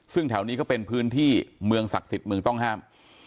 ซึ่งแถวนี้ก็เป็นพื้นที่เมืองศักดิ์สิทธิ์เมืองต้องห้าม